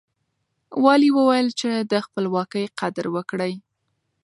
والي وويل چې د خپلواکۍ قدر وکړئ.